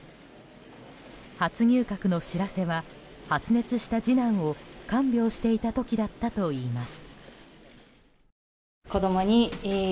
初入閣の知らせは発熱した次男を看病していた時だったといいます。